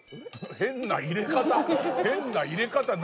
変な入れ方何？